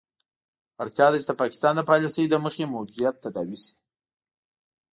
اړتیا ده چې د پاکستان د پالیسي له مخې موجودیت تداوي شي.